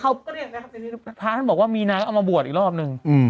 พระอาทิตยุบางที่บอกว่ามีนารก็เอามาบวดอีกรอบนึง